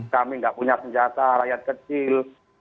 kami nggak punya senjata rakyat kecil